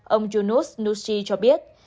ông junus nusi cho biết